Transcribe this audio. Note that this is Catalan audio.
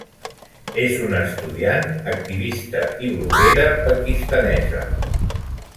És una estudiant, activista i bloguera pakistanesa.